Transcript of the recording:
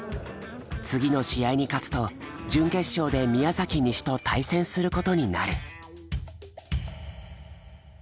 次の試合に勝つと準決勝で宮崎西と対戦することになる。